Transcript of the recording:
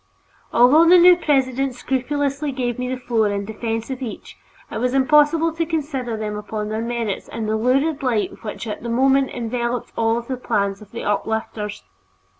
Although the new president scrupulously gave me the floor in the defense of each, it was impossible to consider them upon their merits in the lurid light which at the moment enveloped all the plans of the "uplifters."